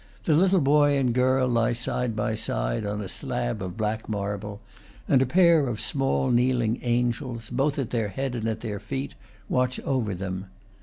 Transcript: The little boy and girl lie side by side on a slab of black marble, and a pair of small kneeling angels, both at their head and at their feet, watch over them.